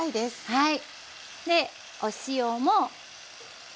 はい。